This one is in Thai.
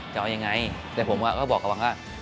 จะเอายังไงแต่ผมก็บอกกับวังว่า